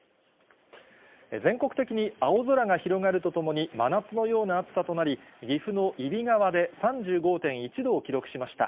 全国的に青空が広がるとともに、真夏のような暑さとなり、岐阜の揖斐川で３５．１度を記録しました。